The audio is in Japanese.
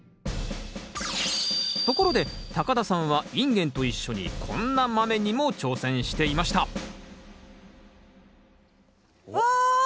ところで田さんはインゲンと一緒にこんなマメにも挑戦していましたわ！